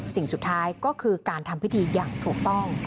สิ่งสุดท้ายก็คือการทำพิธีอย่างถูกต้อง